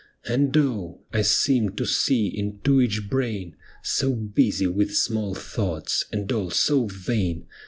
And oh ! I seemed to see into each brain, So busy with small thoughts, and all so vain.